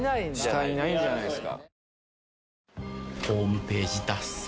下いないんじゃないですか？